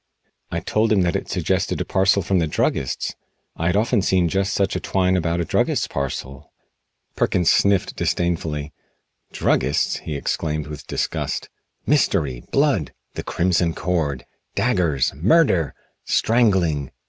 I told him that it suggested a parcel from the druggist's. I had often seen just such twine about a druggist's parcel. Perkins sniffed disdainfully. "Druggists?" he exclaimed with disgust. "Mystery! Blood! 'The Crimson Cord.' Daggers! Murder! Strangling!